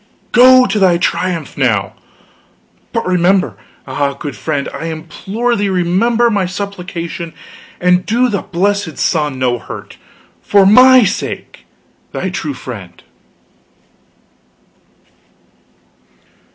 Go to thy triumph, now! But remember ah, good friend, I implore thee remember my supplication, and do the blessed sun no hurt. For my sake, thy true friend."